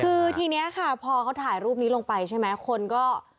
คือทีนี้ค่ะพอเขาถ่ายรูปนี้ลงไปใช่ไหมคนก็